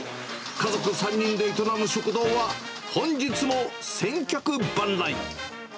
家族３人で営む食堂は、本日も千客万来。